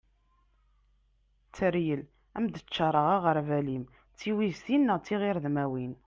tteryel ad am-d-ččareγ aγerbal-im d tiwiztin neγ tiγredmiwin